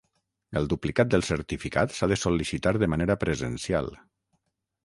El duplicat del certificat s'ha de sol·licitar de manera presencial.